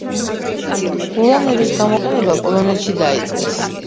ულანების გამოყენება პოლონეთში დაიწყეს.